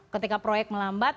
ketika proyek melambat